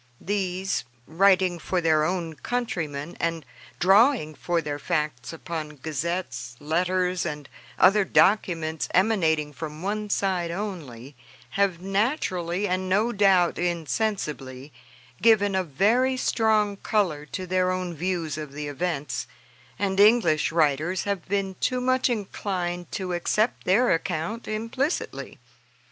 These, writing for their own countrymen, and drawing for their facts upon gazettes, letters, and other documents emanating from one side only, have, naturally, and no doubt insensibly, given a very strong color to their own views of the events, and English writers have been too much inclined to accept their account implicitly.